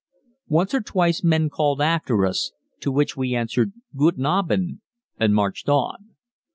Once or twice men called after us to which we answered "Guten Abend," and marched on.